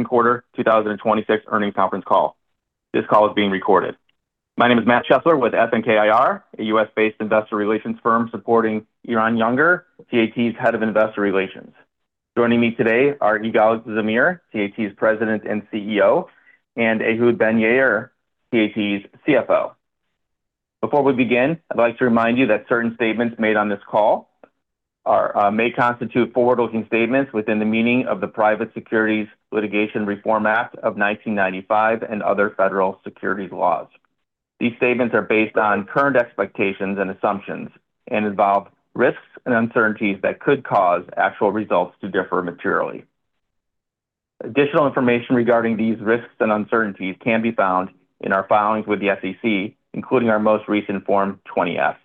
Second quarter 2026 earnings conference call. This call is being recorded. My name is Matt Chesler with FNK IR, a U.S.-based investor relations firm supporting Eran Yunger, TAT's Head of Investor Relations. Joining me today are Igal Zamir, TAT's President and CEO, and Ehud Ben-Yair, TAT's CFO. Before we begin, I'd like to remind you that certain statements made on this call may constitute forward-looking statements within the meaning of the Private Securities Litigation Reform Act of 1995 and other federal securities laws. These statements are based on current expectations and assumptions and involve risks and uncertainties that could cause actual results to differ materially. Additional information regarding these risks and uncertainties can be found in our filings with the SEC, including our most recent Form 20-F.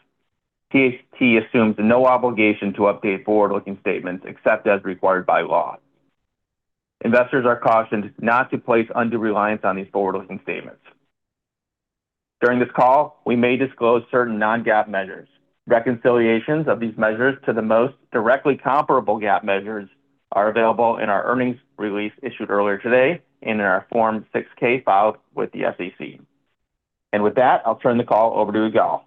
TAT assumes no obligation to update forward-looking statements except as required by law. Investors are cautioned not to place undue reliance on these forward-looking statements. During this call, we may disclose certain non-GAAP measures. Reconciliations of these measures to the most directly comparable GAAP measures are available in our earnings release issued earlier today and in our Form 6-K filed with the SEC. With that, I'll turn the call over to Igal.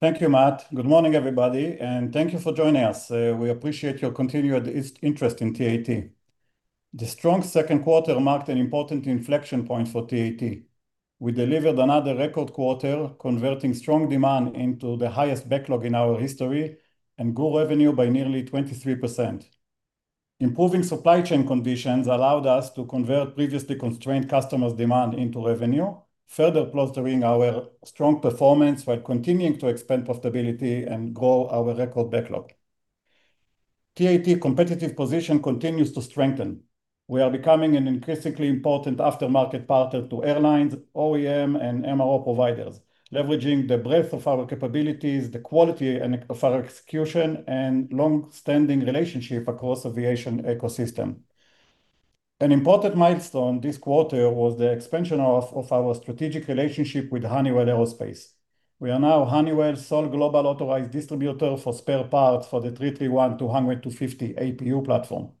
Thank you, Matt. Good morning, everybody. Thank you for joining us. We appreciate your continued interest in TAT. The strong second quarter marked an important inflection point for TAT. We delivered another record quarter, converting strong demand into the highest backlog in our history and grew revenue by nearly 23%. Improving supply chain conditions allowed us to convert previously constrained customers' demand into revenue, further bolstering our strong performance while continuing to expand profitability and grow our record backlog. TAT competitive position continues to strengthen. We are becoming an increasingly important aftermarket partner to airlines, OEM, and MRO providers, leveraging the breadth of our capabilities, the quality of our execution, and long-standing relationship across the aviation ecosystem. An important milestone this quarter was the expansion of our strategic relationship with Honeywell Aerospace. We are now Honeywell sole global authorized distributor for spare parts for the 331-200/250 APU platform.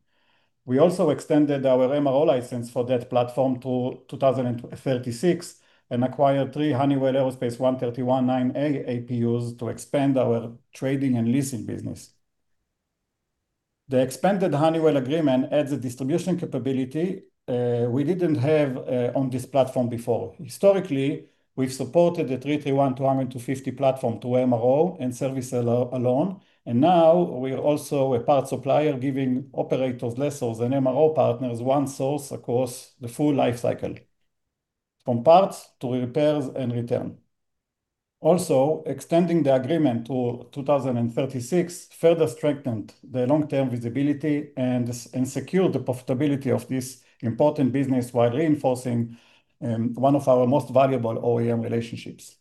We also extended our MRO license for that platform to 2036 and acquired three Honeywell Aerospace 131-9A APUs to expand our trading and leasing business. The expanded Honeywell agreement adds a distribution capability we didn't have on this platform before. Historically, we've supported the 331-200/250 platform to MRO and service alone. Now we are also a parts supplier, giving operators, lessors, and MRO partners one source across the full life cycle, from parts to repairs and return. Also, extending the agreement to 2036 further strengthened the long-term visibility and secured the profitability of this important business while reinforcing one of our most valuable OEM relationships.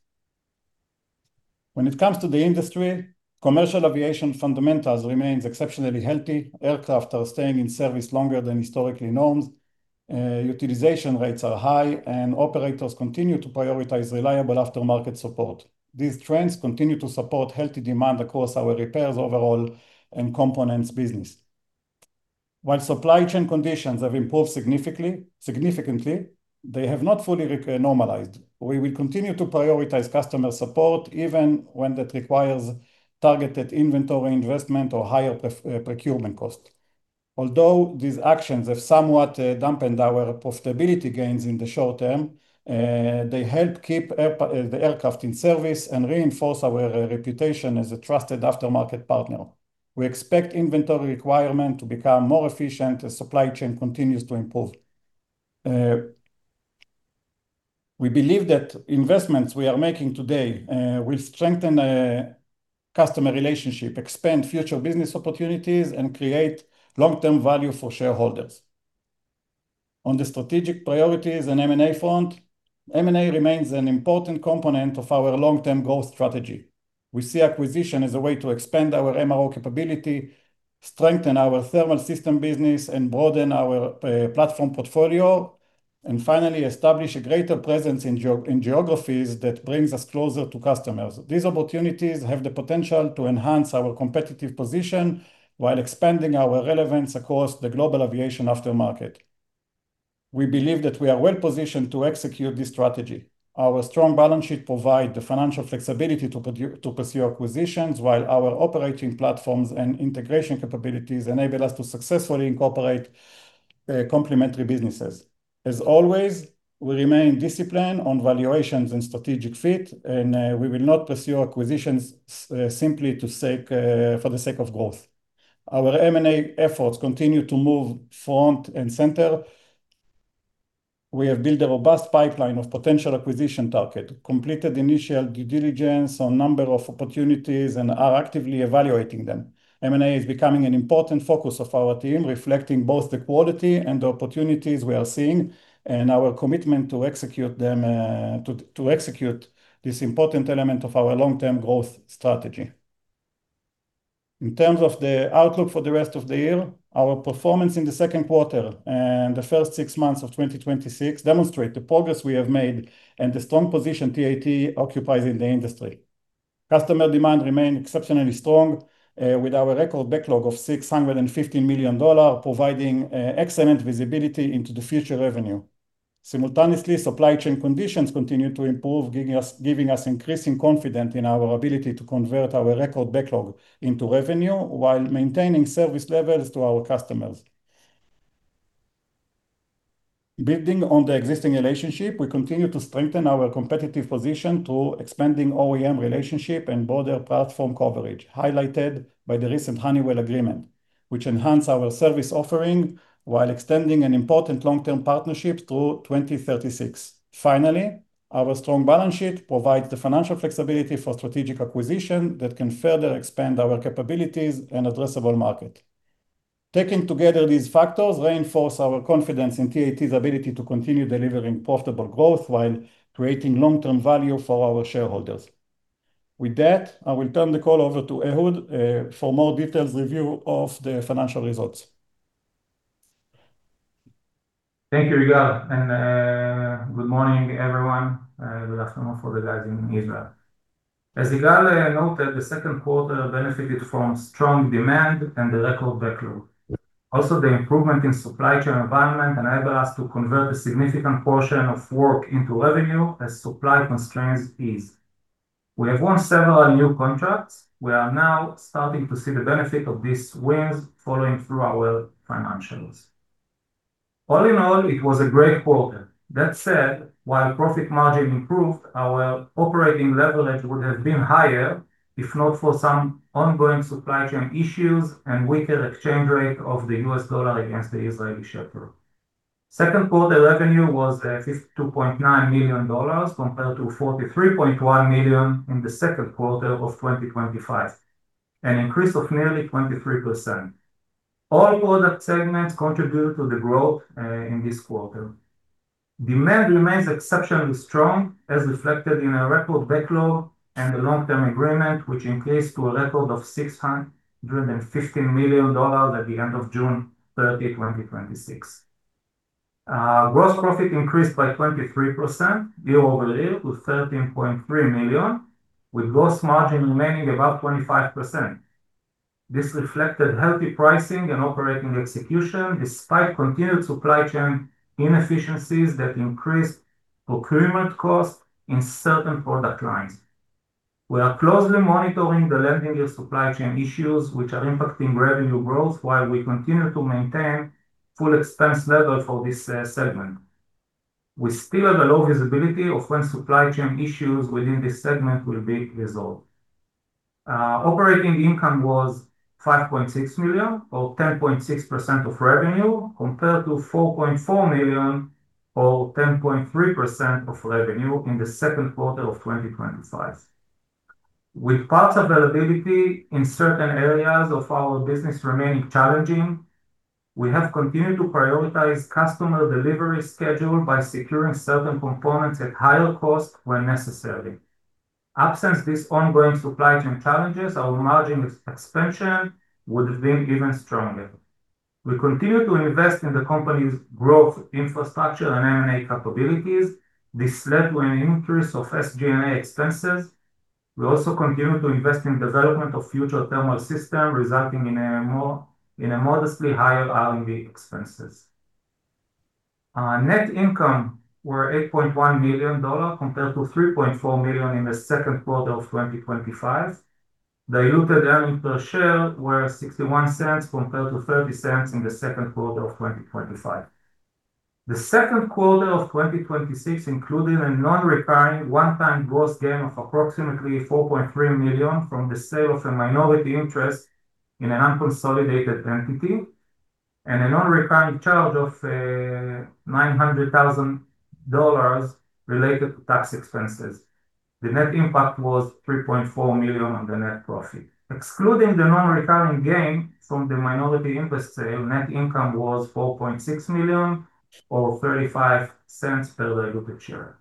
When it comes to the industry, commercial aviation fundamentals remains exceptionally healthy. Aircraft are staying in service longer than historical norms. Utilization rates are high. Operators continue to prioritize reliable aftermarket support. These trends continue to support healthy demand across our repairs overall and components business. While supply chain conditions have improved significantly, they have not fully normalized. We will continue to prioritize customer support even when that requires targeted inventory investment or higher procurement cost. Although these actions have somewhat dampened our profitability gains in the short term, they help keep the aircraft in service and reinforce our reputation as a trusted aftermarket partner. We expect inventory requirement to become more efficient as supply chain continues to improve. We believe that investments we are making today will strengthen customer relationship, expand future business opportunities, and create long-term value for shareholders. On the strategic priorities and M&A front, M&A remains an important component of our long-term growth strategy. We see acquisition as a way to expand our MRO capability, strengthen our thermal system business, and broaden our platform portfolio, and finally, establish a greater presence in geographies that brings us closer to customers. These opportunities have the potential to enhance our competitive position while expanding our relevance across the global aviation aftermarket. We believe that we are well-positioned to execute this strategy. Our strong balance sheet provide the financial flexibility to pursue acquisitions, while our operating platforms and integration capabilities enable us to successfully incorporate complementary businesses. As always, we remain disciplined on valuations and strategic fit, and we will not pursue acquisitions simply for the sake of growth. Our M&A efforts continue to move front and center. We have built a robust pipeline of potential acquisition target, completed initial due diligence on number of opportunities, and are actively evaluating them. M&A is becoming an important focus of our team, reflecting both the quality and the opportunities we are seeing and our commitment to execute this important element of our long-term growth strategy. In terms of the outlook for the rest of the year, our performance in the second quarter and the first six months of 2026 demonstrate the progress we have made and the strong position TAT occupies in the industry. Customer demand remained exceptionally strong, with our record backlog of $650 million providing excellent visibility into the future revenue. Simultaneously, supply chain conditions continue to improve, giving us increasing confidence in our ability to convert our record backlog into revenue while maintaining service levels to our customers. Building on the existing relationship, we continue to strengthen our competitive position through expanding OEM relationship and broader platform coverage, highlighted by the recent Honeywell agreement, which enhanced our service offering while extending an important long-term partnership through 2036. Finally, our strong balance sheet provides the financial flexibility for strategic acquisition that can further expand our capabilities and addressable market. Taken together, these factors reinforce our confidence in TAT's ability to continue delivering profitable growth while creating long-term value for our shareholders. With that, I will turn the call over to Ehud for more detailed review of the financial results. Thank you, Igal, and good morning, everyone. Good afternoon for the guys in Israel. As Igal noted, the second quarter benefited from strong demand and the record backlog. The improvement in supply chain environment enabled us to convert a significant portion of work into revenue as supply constraints eased. We have won several new contracts. We are now starting to see the benefit of these wins following through our financials. All in all, it was a great quarter. That said, while profit margin improved, our operating leverage would have been higher if not for some ongoing supply chain issues and weaker exchange rate of the U.S. dollar against the Israeli shekel. Second quarter revenue was at $52.9 million compared to $43.1 million in the second quarter of 2025, an increase of nearly 23%. All product segments contributed to the growth in this quarter. Demand remains exceptionally strong, as reflected in a record backlog and the long-term agreement, which increased to a record of $650 million at the end of June 30, 2026. Gross profit increased by 23% year-over-year to $13.3 million, with gross margin remaining above 25%. This reflected healthy pricing and operating execution despite continued supply chain inefficiencies that increased procurement costs in certain product lines. We are closely monitoring the landing gear supply chain issues, which are impacting revenue growth while we continue to maintain full expense level for this segment. We still have a low visibility of when supply chain issues within this segment will be resolved. Operating income was $5.6 million, or 10.6% of revenue, compared to $4.4 million, or 10.3% of revenue in the second quarter of 2025. With parts availability in certain areas of our business remaining challenging, we have continued to prioritize customer delivery schedule by securing certain components at higher cost when necessary. Absent these ongoing supply chain challenges, our margin expansion would have been even stronger. We continue to invest in the company's growth infrastructure and M&A capabilities. This led to an increase of SG&A expenses. We also continue to invest in development of future thermal system, resulting in a modestly higher R&D expenses. Net income was $8.1 million, compared to $3.4 million in the second quarter of 2025. Diluted earnings per share were $0.61, compared to $0.30 in the second quarter of 2025. The second quarter of 2026 included a non-recurring one-time gross gain of approximately $4.3 million from the sale of a minority interest in an unconsolidated entity and a non-recurring charge of $900,000 related to tax expenses. The net impact was $3.4 million on the net profit. Excluding the non-recurring gain from the minority interest sale, net income was $4.6 million or $0.35 per diluted share.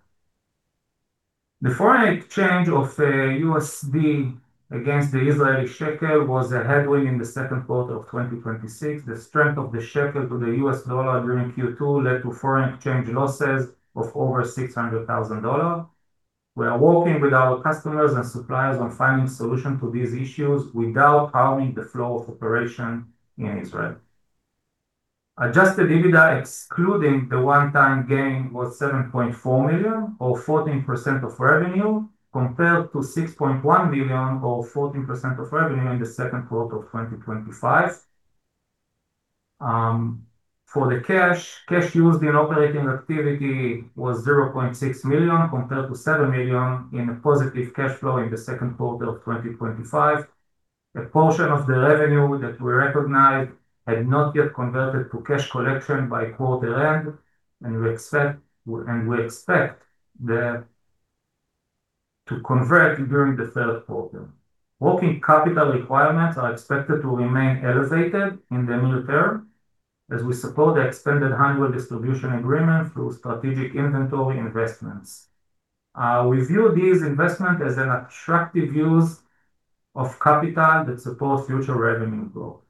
The foreign exchange of USD against the Israeli shekel was a headwind in the second quarter of 2026. The strength of the shekel to the U.S. dollar during Q2 led to foreign exchange losses of over $600,000. We are working with our customers and suppliers on finding a solution to these issues without harming the flow of operation in Israel. Adjusted EBITDA, excluding the one-time gain, was $7.4 million or 14% of revenue, compared to $6.1 million or 14% of revenue in the second quarter of 2025. For the cash used in operating activity was $0.6 million compared to $7 million in a positive cash flow in the second quarter of 2025. A portion of the revenue that we recognized had not yet converted to cash collection by quarter end, and we expect that to convert during the third quarter. Working capital requirements are expected to remain elevated in the near term as we support the expanded Honeywell distribution agreement through strategic inventory investments. We view these investment as an attractive use of capital that supports future revenue growth.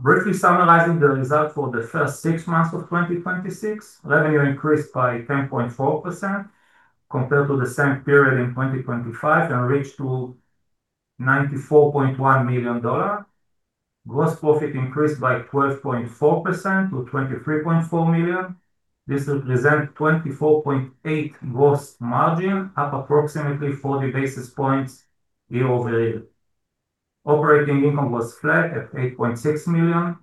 Briefly summarizing the results for the first six months of 2026. Revenue increased by 10.4% compared to the same period in 2025 and reached to $94.1 million. Gross profit increased by 12.4% to $23.4 million. This represents 24.8% gross margin, up approximately 40 basis points year-over-year. Operating income was flat at $8.6 million.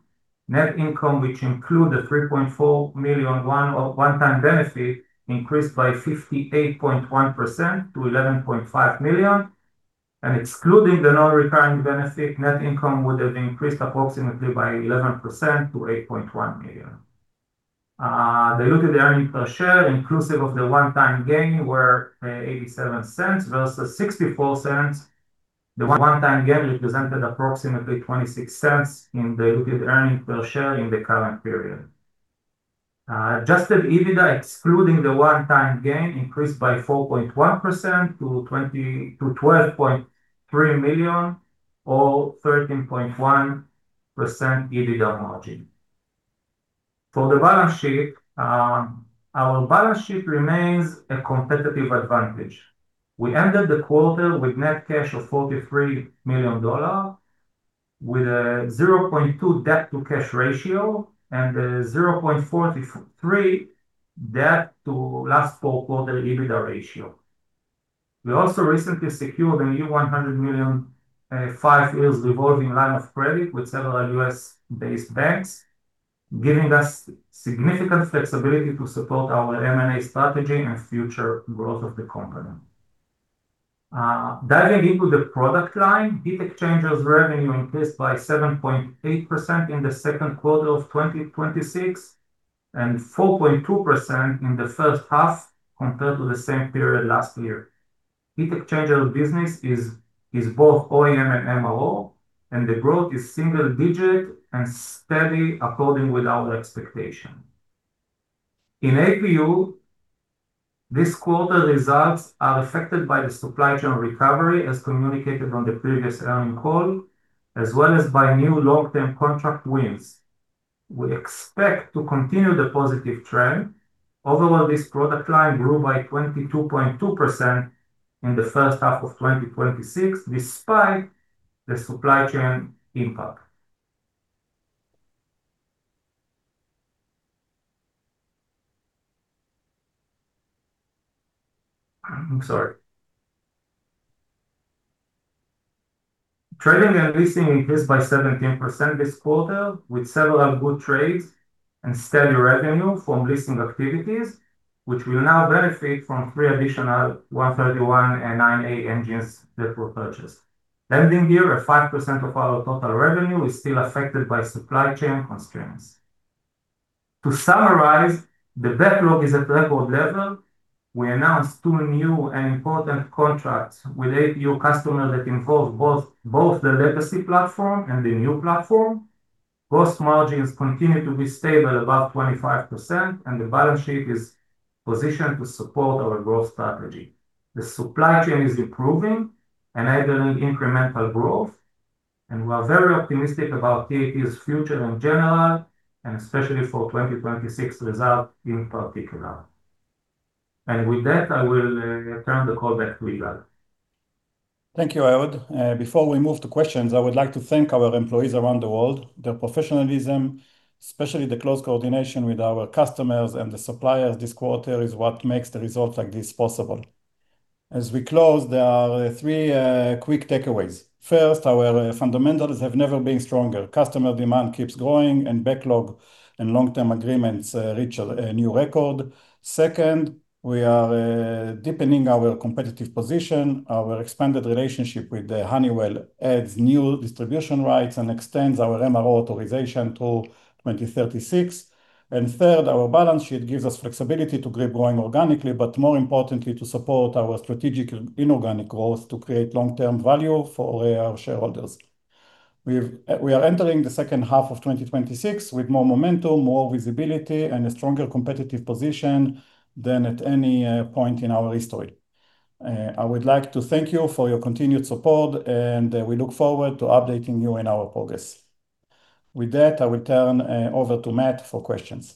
Net income, which include the $3.4 million one-time benefit, increased by 58.1% to $11.5 million. Excluding the non-recurring benefit, net income would have increased approximately by 11% to $8.1 million. Diluted earnings per share inclusive of the one-time gain were $0.87 versus $0.64. The one-time gain represented approximately $0.26 in diluted earnings per share in the current period. Adjusted EBITDA, excluding the one-time gain, increased by 4.1% to $12.3 million or 13.1% EBITDA margin. For the balance sheet, our balance sheet remains a competitive advantage. We ended the quarter with net cash of $43 million, with a 0.2 debt to cash ratio and a 0.43 debt to last four quarter EBITDA ratio. We also recently secured a new $100 million five years revolving line of credit with several U.S.-based banks, giving us significant flexibility to support our M&A strategy and future growth of the company. Diving into the product line, heat exchangers revenue increased by 7.8% in the second quarter of 2026, and 4.2% in the first half compared to the same period last year. Heat exchanger business is both OEM and MRO, and the growth is single digit and steady according with our expectation. In APU, this quarter results are affected by the supply chain recovery, as communicated on the previous earning call, as well as by new long-term contract wins. We expect to continue the positive trend. Overall, this product line grew by 22.2% in the first half of 2026, despite the supply chain impact. I'm sorry. Trading and leasing increased by 17% this quarter, with several good trades and steady revenue from leasing activities, which will now benefit from three additional 131 and 9A engines that were purchased. Landing gear at 5% of our total revenue is still affected by supply chain constraints. To summarize, the backlog is at record level. We announced two new and important contracts with APU customer that involve both the legacy platform and the new platform. Gross margins continue to be stable above 25%, and the balance sheet is positioned to support our growth strategy. The supply chain is improving, enabling incremental growth, and we are very optimistic about TAT's future in general, and especially for 2026 results in particular. With that, I will turn the call back to Igal. Thank you, Ehud. Before we move to questions, I would like to thank our employees around the world. Their professionalism, especially the close coordination with our customers and the suppliers this quarter, is what makes the results like this possible. As we close, there are three quick takeaways. First, our fundamentals have never been stronger. Customer demand keeps growing, and backlog and long-term agreements reach a new record. Second, we are deepening our competitive position. Our expanded relationship with Honeywell adds new distribution rights and extends our MRO authorization to 2036. Third, our balance sheet gives us flexibility to keep growing organically, but more importantly, to support our strategic inorganic growth to create long-term value for our shareholders. We are entering the second half of 2026 with more momentum, more visibility, and a stronger competitive position than at any point in our history. I would like to thank you for your continued support, and we look forward to updating you on our progress. With that, I will turn over to Matt for questions.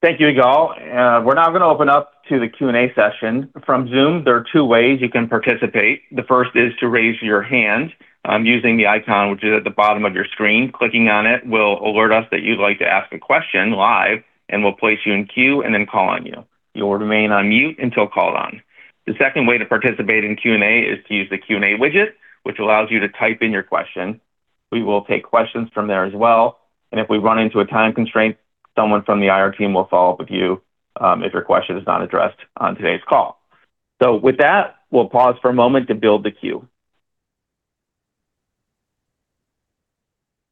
Thank you, Igal. We're now going to open up to the Q&A session. From Zoom, there are two ways you can participate. The first is to raise your hand using the icon, which is at the bottom of your screen. Clicking on it will alert us that you'd like to ask a question live, and we'll place you in queue and then call on you. You'll remain on mute until called on. The second way to participate in Q&A is to use the Q&A widget, which allows you to type in your question. We will take questions from there as well, and if we run into a time constraint, someone from the IR team will follow up with you if your question is not addressed on today's call. With that, we'll pause for a moment to build the queue.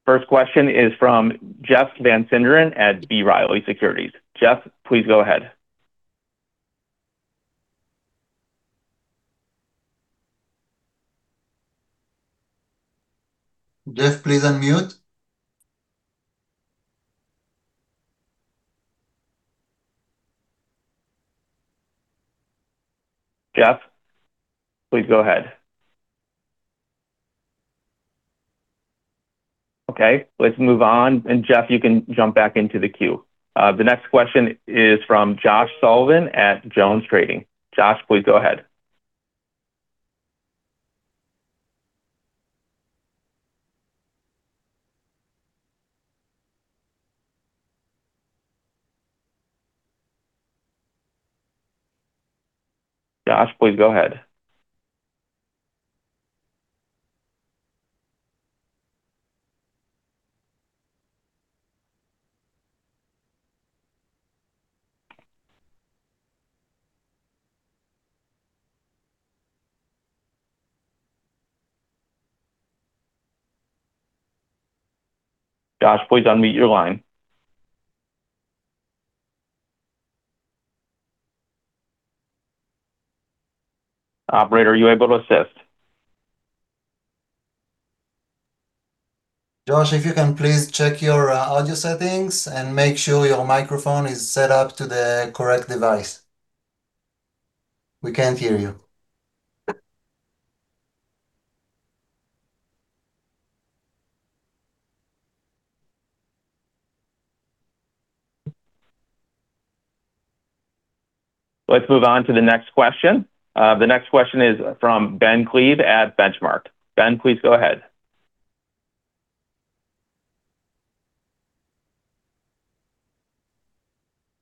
First question is from Jeff Van Sinderen at B. Riley Securities. Jeff, please go ahead. Jeff, please unmute. Jeff, please go ahead. Okay, let's move on. Jeff, you can jump back into the queue. The next question is from Josh Sullivan at Jones Trading. Josh, please go ahead. Josh, please unmute your line. Operator, are you able to assist? Josh, if you can please check your audio settings and make sure your microphone is set up to the correct device. We can't hear you. Let's move on to the next question. The next question is from Ben Klieve at Benchmark. Ben, please go ahead.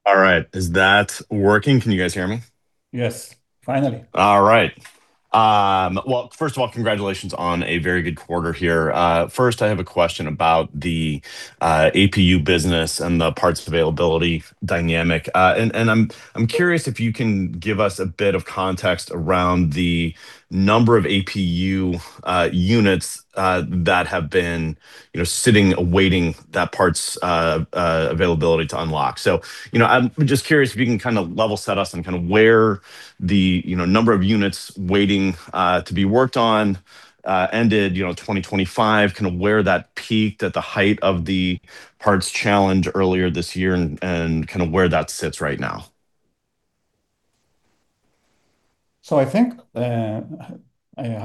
All right. Is that working? Can you guys hear me? Yes. Finally. All right. Well, first of all, congratulations on a very good quarter here. First, I have a question about the APU business and the parts availability dynamic. I'm curious if you can give us a bit of context around the number of APU units that have been sitting, awaiting that parts availability to unlock. I'm just curious if you can kind of level set us on kind of where the number of units waiting to be worked on ended 2025, kind of where that peaked at the height of the parts challenge earlier this year, and kind of where that sits right now. Hi,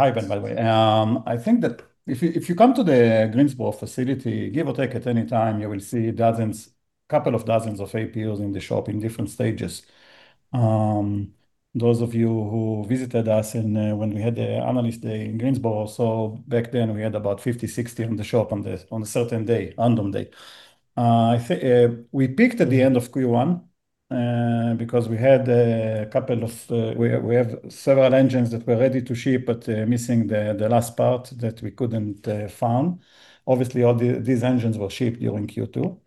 Ben, by the way. I think that if you come to the Greensboro facility, give or take, at any time, you will see dozens, couple of dozens of APUs in the shop in different stages. Those of you who visited us when we had the analyst day in Greensboro, back then, we had about 50, 60 on the shop on a certain day, random day. We peaked at the end of Q1, because we have several engines that were ready to ship, but missing the last part that we couldn't found. Obviously, all these engines were shipped during Q2.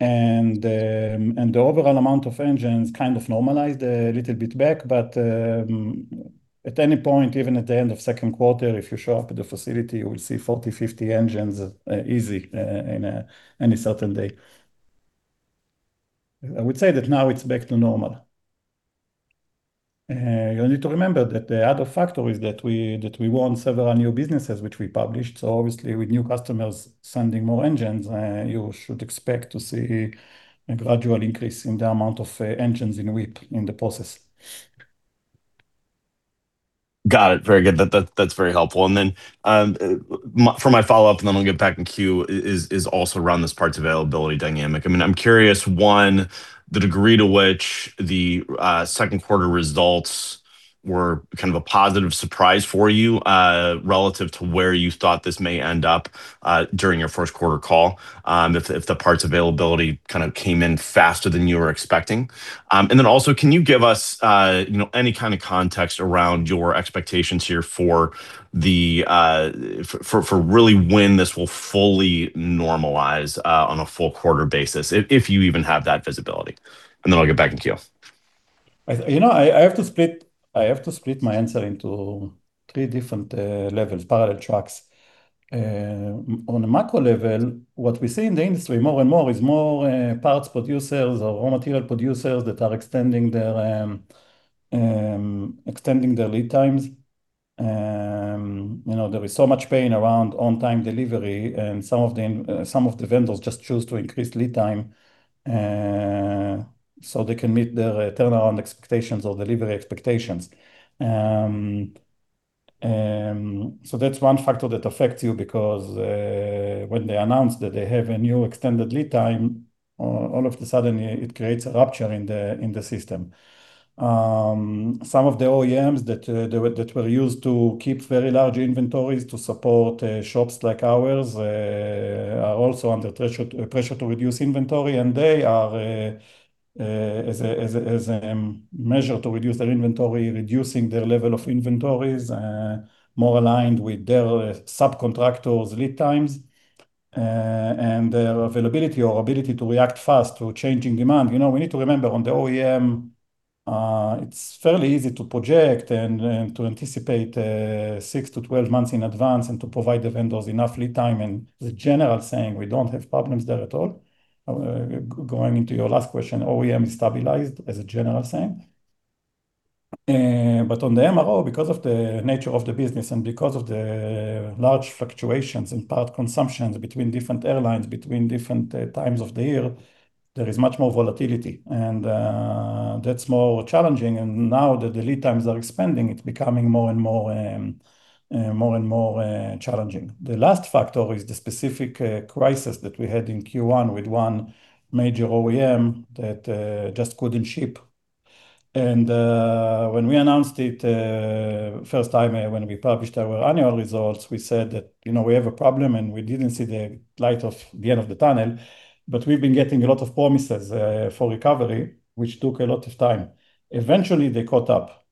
The overall amount of engines kind of normalized a little bit back. At any point, even at the end of second quarter, if you show up at the facility, you will see 40, 50 engines, easy, in any certain day. I would say that now it's back to normal. You need to remember that the other factor is that we won several new businesses, which we published. Obviously, with new customers sending more engines, you should expect to see a gradual increase in the amount of engines in WIP in the process. Got it. Very good. That's very helpful. For my follow-up, and then we'll get back in queue, is also around this parts availability dynamic. I'm curious, one, the degree to which the second quarter results were kind of a positive surprise for you, relative to where you thought this may end up, during your first quarter call, if the parts availability kind of came in faster than you were expecting. Also, can you give us any kind of context around your expectations here for really when this will fully normalize, on a full quarter basis, if you even have that visibility. Then I'll get back in queue. I have to split my answer into three different levels, parallel tracks. On a macro level, what we see in the industry more and more is more parts producers or raw material producers that are extending their lead times. There is so much pain around on-time delivery, and some of the vendors just choose to increase lead time, so they can meet their turnaround expectations or delivery expectations. That's one factor that affects you because, when they announce that they have a new extended lead time, all of a sudden it creates a rupture in the system. Some of the OEMs that were used to keep very large inventories to support shops like ours are also under pressure to reduce inventory, and they are, as a measure to reduce their inventory, reducing their level of inventories, more aligned with their subcontractor's lead times, and their availability or ability to react fast to changing demand. We need to remember, on the OEM, it's fairly easy to project and to anticipate six to 12 months in advance and to provide the vendors enough lead time. The general saying, we don't have problems there at all. Going into your last question, OEM is stabilized as a general saying. On the MRO, because of the nature of the business and because of the large fluctuations in part consumptions between different airlines, between different times of the year, there is much more volatility, and that's more challenging. Now that the lead times are expanding, it's becoming more and more challenging. The last factor is the specific crisis that we had in Q1 with one major OEM that just couldn't ship. When we announced it first time when we published our annual results, we said that we have a problem, and we didn't see the light of the end of the tunnel. We've been getting a lot of promises for recovery, which took a lot of time. Eventually, they caught up.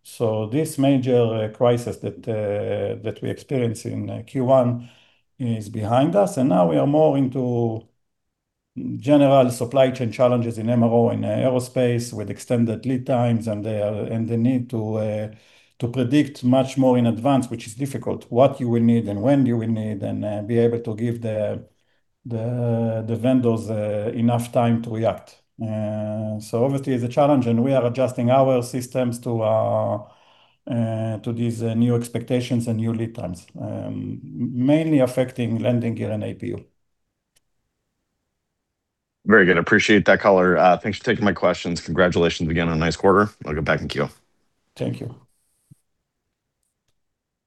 This major crisis that we experienced in Q1 is behind us, and now we are more into general supply chain challenges in MRO, in aerospace, with extended lead times, and the need to predict much more in advance, which is difficult, what you will need and when you will need, and be able to give the vendors enough time to react. Obviously, it's a challenge, and we are adjusting our systems to these new expectations and new lead times, mainly affecting landing gear and APU. Very good. Appreciate that color. Thanks for taking my questions. Congratulations again on a nice quarter. I'll go back in queue. Thank you.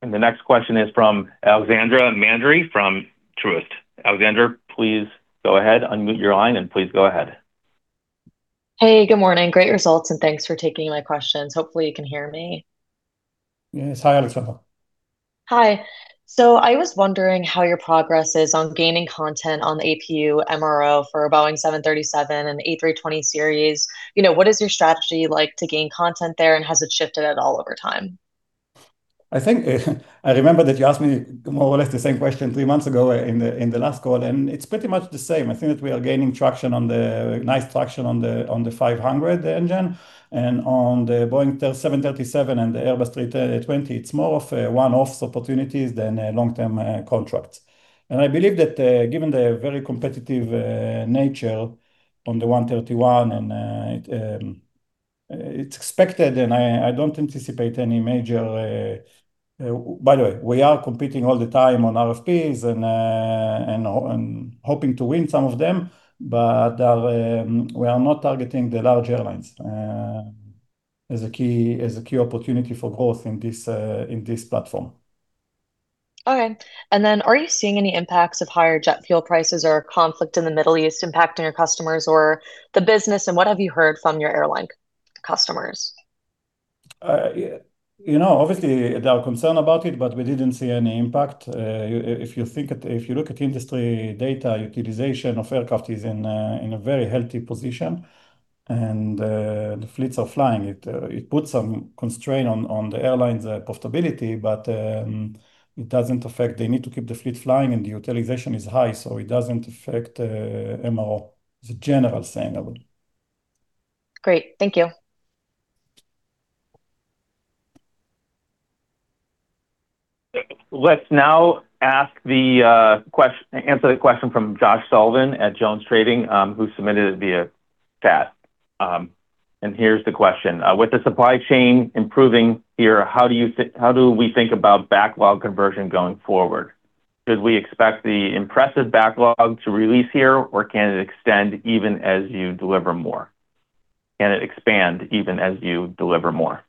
The next question is from Alexandra Mandery from Truist. Alexandra, please go ahead, unmute your line, and please go ahead. Hey, good morning. Great results, and thanks for taking my questions. Hopefully, you can hear me. Yes. Hi, Alexandra. Hi. I was wondering how your progress is on gaining content on the APU MRO for Boeing 737 and A320 series. What is your strategy like to gain content there, and has it shifted at all over time? I think I remember that you asked me more or less the same question three months ago in the last call. It's pretty much the same. I think that we are gaining nice traction on the 500 engine, on the Boeing 737 and the Airbus A320, it's more of a one-offs opportunities than long-term contracts. I believe that given the very competitive nature on the 131, and it's expected, and I don't anticipate any major. By the way, we are competing all the time on RFPs, and hoping to win some of them. We are not targeting the large airlines as a key opportunity for growth in this platform. Okay. Are you seeing any impacts of higher jet fuel prices or conflict in the Middle East impacting your customers or the business? What have you heard from your airline customers? Obviously, they are concerned about it, but we didn't see any impact. If you look at industry data, utilization of aircraft is in a very healthy position, and the fleets are flying. It puts some constraint on the airline's profitability, but it doesn't affect. They need to keep the fleet flying, and the utilization is high, so it doesn't affect MRO as a general saying. Great. Thank you. Let's now answer the question from Josh Sullivan at Jones Trading, who submitted it via chat. Here's the question. With the supply chain improving here, how do we think about backlog conversion going forward? Should we expect the impressive backlog to release here, or can it extend even as you deliver more? Can it expand even as you deliver more?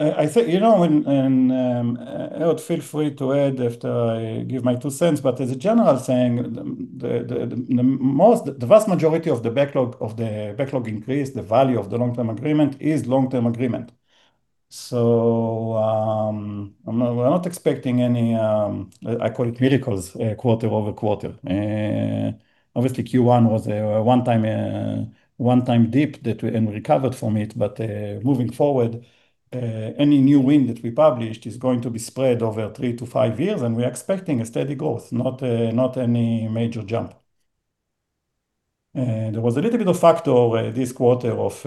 Ehud, feel free to add after I give my two cents, as a general saying, the vast majority of the backlog increase, the value of the long-term agreement is long-term agreement. We're not expecting any, I call it miracles, quarter-over-quarter. Obviously, Q1 was a one-time dip, we recovered from it. Moving forward, any new win that we published is going to be spread over three to five years, we're expecting a steady growth, not any major jump. There was a little bit of factor this quarter of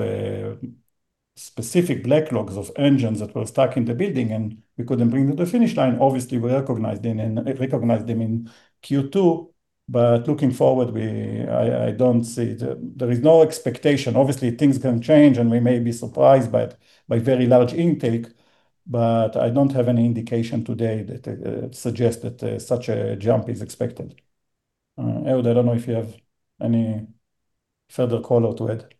specific backlogs of engines that were stuck in the building, we couldn't bring to the finish line. Obviously, we recognized them in Q2. Looking forward, there is no expectation. Obviously, things can change, we may be surprised by very large intake. I don't have any indication today that suggests that such a jump is expected. Ehud, I don't know if you have any further color to add.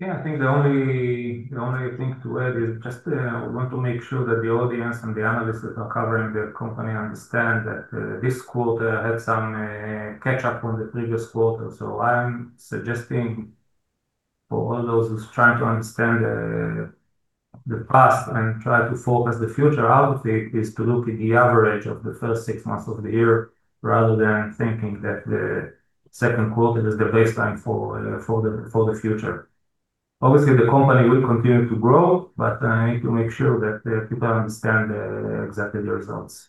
I think the only thing to add is just I want to make sure that the audience and the analysts that are covering the company understand that this quarter had some catch up on the previous quarter. I'm suggesting for all those who's trying to understand the past and try to forecast the future out of it, is to look at the average of the first six months of the year, rather than thinking that the second quarter is the baseline for the future. Obviously, the company will continue to grow, I need to make sure that people understand exactly the results.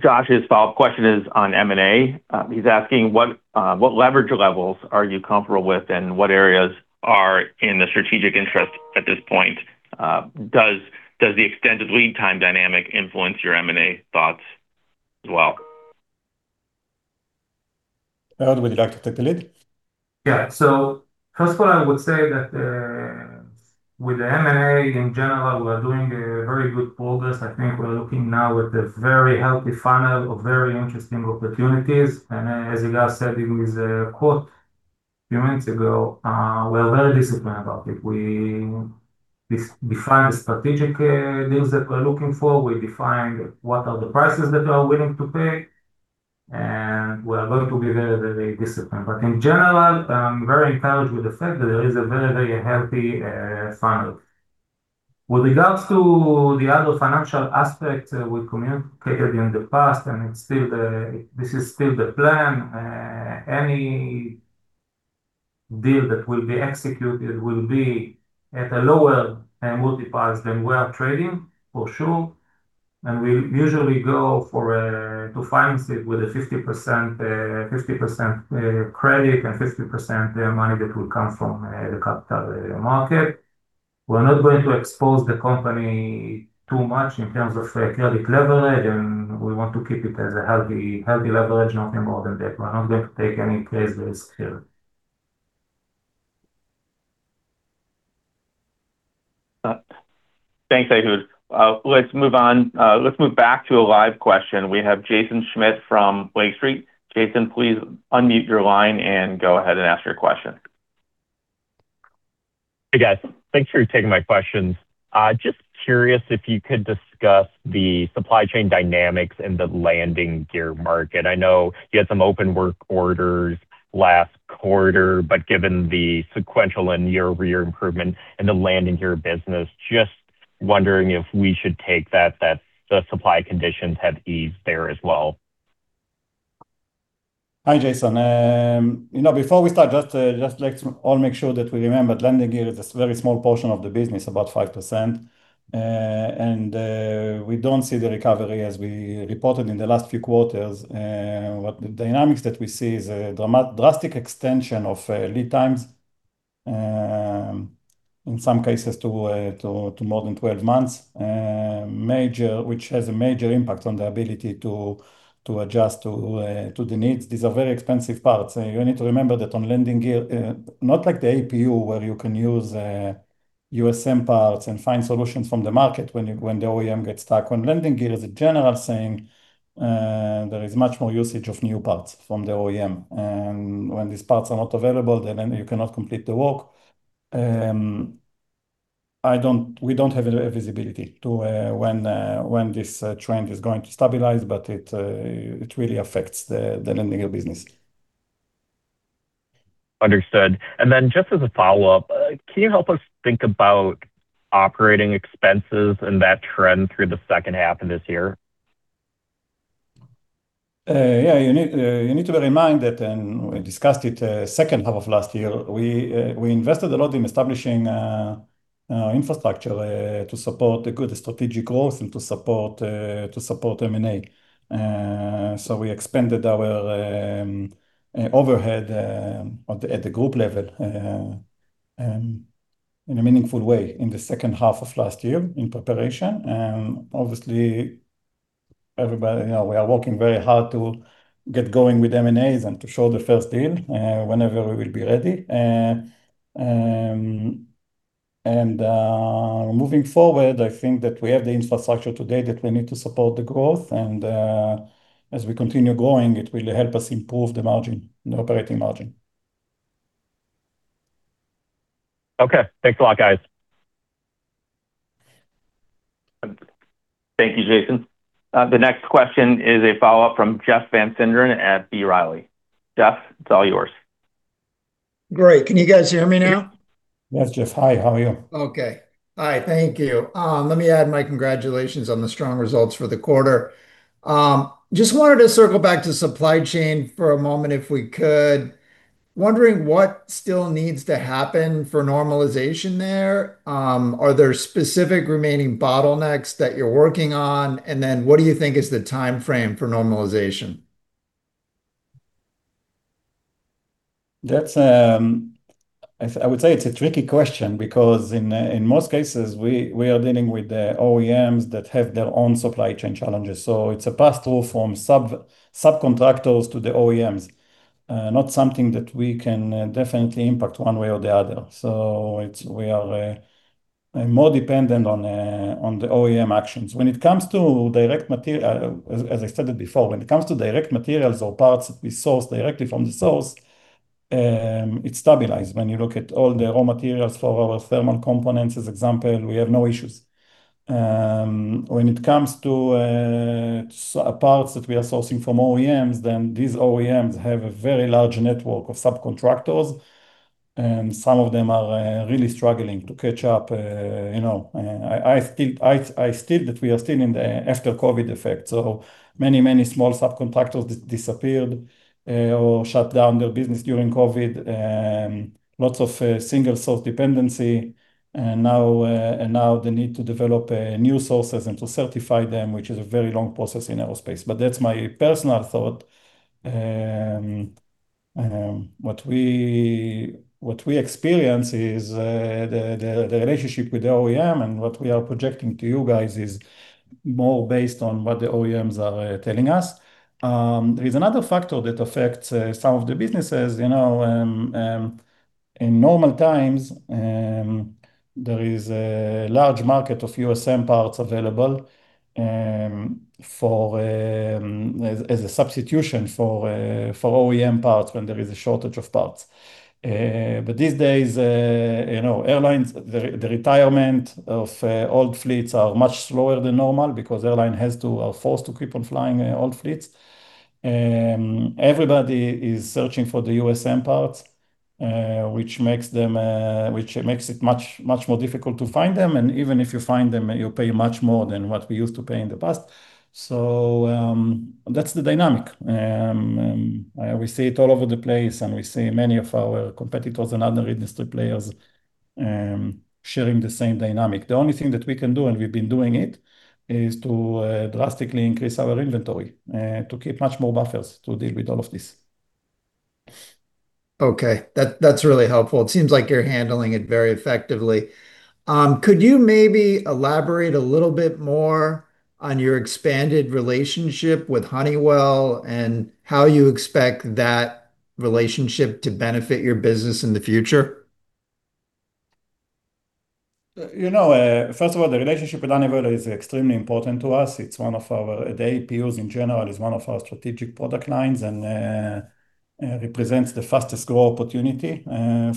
Josh, his follow-up question is on M&A. He's asking, what leverage levels are you comfortable with, and what areas are in the strategic interest at this point? Does the extended lead time dynamic influence your M&A thoughts as well? Ehud, would you like to take the lead? Yeah. First of all, I would say that, with the M&A in general, we are doing a very good progress. I think we're looking now at the very healthy funnel of very interesting opportunities. As Igal said in his quote a few minutes ago, we are very disciplined about it. We define the strategic deals that we're looking for, we define what are the prices that we are willing to pay, and we are going to be very, very disciplined. In general, I'm very encouraged with the fact that there is a very, very healthy funnel. With regards to the other financial aspect we communicated in the past, and this is still the plan, any deal that will be executed will be at a lower multiples than we are trading, for sure. We usually go to finance it with a 50% credit and 50% money that will come from the capital market. We're not going to expose the company too much in terms of credit leverage, and we want to keep it as a healthy leverage, nothing more than that. We're not going to take any crazy risk here. Thanks, Ehud. Let's move back to a live question. We have Jaeson Schmidt from Lake Street. Jaeson, please unmute your line and go ahead and ask your question. Hey, guys. Thanks for taking my questions. Just curious if you could discuss the supply chain dynamics in the landing gear market. I know you had some open work orders last quarter, but given the sequential and year-over-year improvement in the landing gear business, just wondering if we should take that the supply conditions have eased there as well. Hi, Jaeson. Before we start, just let's all make sure that we remember, landing gear is a very small portion of the business, about 5%. We don't see the recovery as we reported in the last few quarters. What the dynamics that we see is a drastic extension of lead times, in some cases to more than 12 months, which has a major impact on the ability to adjust to the needs. These are very expensive parts. You need to remember that on landing gear, not like the APU, where you can use USM parts and find solutions from the market when the OEM gets stuck. On landing gear, as a general saying, there is much more usage of new parts from the OEM. When these parts are not available, then you cannot complete the work. We don't have visibility to when this trend is going to stabilize, but it really affects the landing gear business. Understood. Then just as a follow-up, can you help us think about operating expenses and that trend through the second half of this year? Yeah. You need to bear in mind that, we discussed it second half of last year, we invested a lot in establishing infrastructure to support the good strategic growth and to support M&A. We expanded our overhead at the group level in a meaningful way in the second half of last year in preparation. Obviously, we are working very hard to get going with M&As and to show the first deal, whenever we will be ready. Moving forward, I think that we have the infrastructure today that we need to support the growth, and, as we continue growing, it will help us improve the margin, the operating margin. Okay. Thanks a lot, guys. Thank you, Jaeson. The next question is a follow-up from Jeff Van Sinderen at B. Riley. Jeff, it's all yours. Great. Can you guys hear me now? Yes, Jeff. Hi, how are you? Okay. Hi. Thank you. Let me add my congratulations on the strong results for the quarter. Just wanted to circle back to supply chain for a moment if we could. Wondering what still needs to happen for normalization there. Are there specific remaining bottlenecks that you're working on? What do you think is the timeframe for normalization? I would say it's a tricky question because, in most cases, we are dealing with the OEMs that have their own supply chain challenges, so it's a pass-through from subcontractors to the OEMs. Not something that we can definitely impact one way or the other. We are more dependent on the OEM actions. As I said it before, when it comes to direct materials or parts that we source directly from the source, it's stabilized. When you look at all the raw materials for our thermal components, as example, we have no issues. When it comes to parts that we are sourcing from OEMs, then these OEMs have a very large network of subcontractors, and some of them are really struggling to catch up. I think that we are still in the after-COVID effect, so many, many small subcontractors disappeared or shut down their business during COVID. Lots of single source dependency. Now the need to develop new sources and to certify them, which is a very long process in aerospace, that's my personal thought. What we experience is the relationship with the OEM, and what we are projecting to you guys is more based on what the OEMs are telling us. There is another factor that affects some of the businesses. In normal times, there is a large market of USM parts available as a substitution for OEM parts when there is a shortage of parts. These days, airlines, the retirement of old fleets are much slower than normal because airline are forced to keep on flying old fleets. Everybody is searching for the USM parts, which makes it much more difficult to find them. Even if you find them, you pay much more than what we used to pay in the past. That's the dynamic. We see it all over the place, and we see many of our competitors and other industry players sharing the same dynamic. The only thing that we can do, and we've been doing it, is to drastically increase our inventory, to keep much more buffers to deal with all of this. Okay. That's really helpful. It seems like you're handling it very effectively. Could you maybe elaborate a little bit more on your expanded relationship with Honeywell and how you expect that relationship to benefit your business in the future? First of all, the relationship with Honeywell is extremely important to us. The APUs in general is one of our strategic product lines, and represents the fastest growth opportunity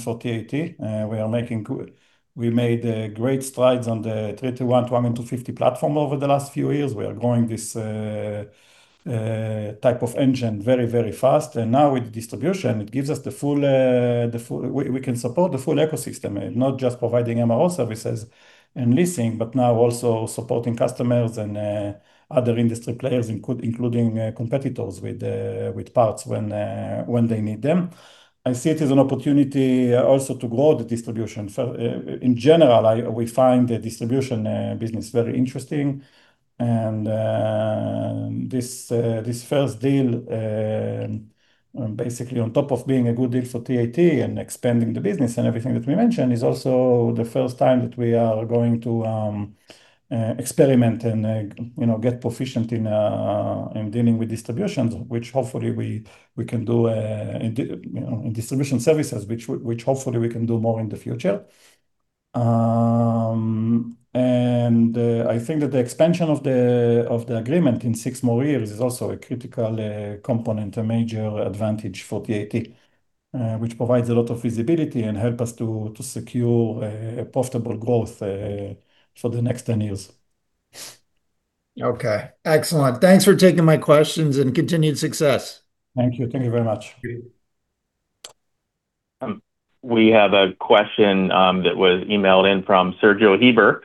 for TAT. We made great strides on the 331-200 and 250 platform over the last few years. We are growing this type of engine very, very fast. Now with distribution, we can support the full ecosystem, not just providing MRO services and leasing, but now also supporting customers and other industry players, including competitors with parts when they need them. I see it as an opportunity also to grow the distribution. In general, we find the distribution business very interesting, this first deal, basically on top of being a good deal for TAT and expanding the business and everything that we mentioned, is also the first time that we are going to experiment and get proficient in dealing with distributions, in distribution services, which hopefully we can do more in the future. I think that the expansion of the agreement in six more years is also a critical component, a major advantage for TAT, which provides a lot of visibility and help us to secure a profitable growth for the next 10 years. Okay, excellent. Thanks for taking my questions, and continued success. Thank you. Thank you very much. We have a question that was emailed in from Sergio Heiber,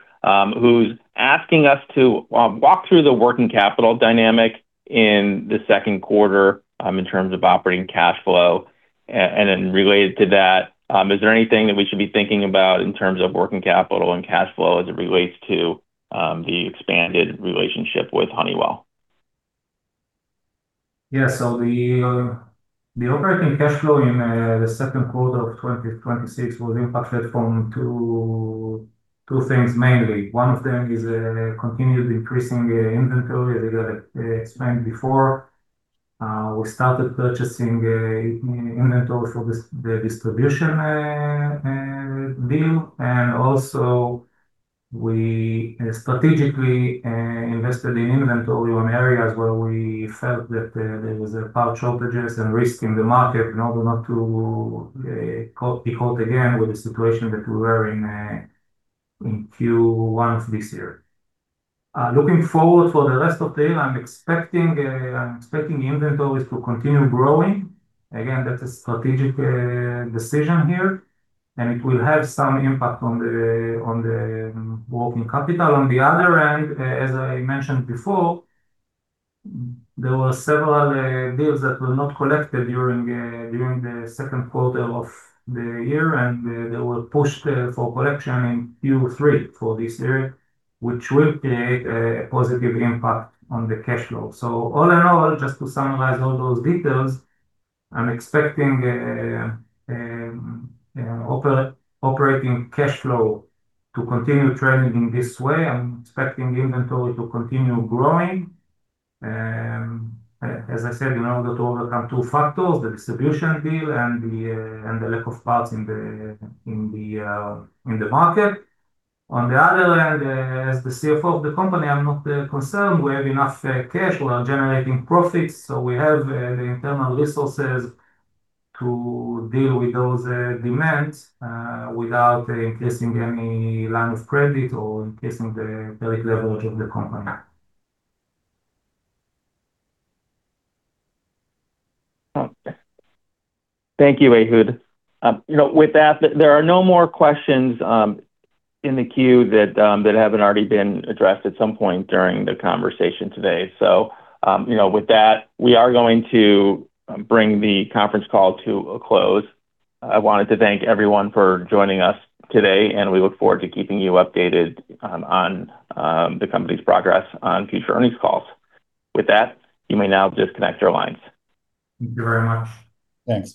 who's asking us to walk through the working capital dynamic in the second quarter, in terms of operating cash flow. Then related to that, is there anything that we should be thinking about in terms of working capital and cash flow as it relates to the expanded relationship with Honeywell? Yeah. The operating cash flow in the second quarter of 2026 will impact it from two things mainly. One of them is a continued increasing inventory, as I explained before. We started purchasing inventory for the distribution deal, and also we strategically invested in inventory on areas where we felt that there was a part shortages and risk in the market, in order not to be caught again with the situation that we were in Q1 of this year. Looking forward for the rest of the year, I'm expecting inventories to continue growing. Again, that's a strategic decision here, and it will have some impact on the working capital. On the other hand, as I mentioned before, there were several deals that were not collected during the second quarter of the year, and they were pushed for collection in Q3 for this year, which will create a positive impact on the cash flow. All in all, just to summarize all those details, I'm expecting operating cash flow to continue trending in this way. I'm expecting inventory to continue growing. As I said, in order to overcome two factors, the distribution deal and the lack of parts in the market. On the other hand, as the CFO of the company, I'm not concerned. We have enough cash. We are generating profits, so we have the internal resources to deal with those demands, without increasing any line of credit or increasing the leverage of the company. Okay. Thank you, Ehud. With that, there are no more questions in the queue that haven't already been addressed at some point during the conversation today. With that, we are going to bring the conference call to a close. I wanted to thank everyone for joining us today, and we look forward to keeping you updated on the company's progress on future earnings calls. With that, you may now disconnect your lines. Thank you very much. Thanks.